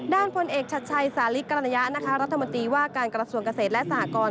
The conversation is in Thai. พลเอกชัดชัยสาลิกรยะนะคะรัฐมนตรีว่าการกระทรวงเกษตรและสหกร